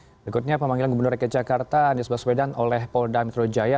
berikutnya pemanggilan gubernur rakyat jakarta anies baswedan oleh polda mikrojaya